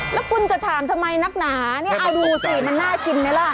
แล้วคุณจะถามทำไมนักหนาเนี่ยเอาดูสิมันน่ากินไหมล่ะ